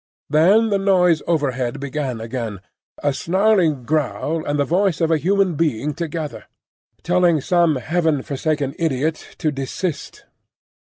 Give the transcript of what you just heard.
(Then the noise overhead began again, a snarling growl and the voice of a human being together. Then another voice, telling some "Heaven forsaken idiot" to desist.)